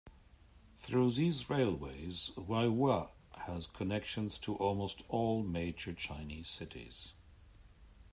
Through these railways Huaihua has connections to almost all major Chinese cities.